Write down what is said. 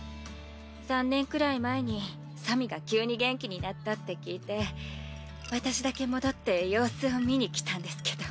３年くらい前にさみが急に元気になったって聞いて私だけ戻って様子を見に来たんですけど。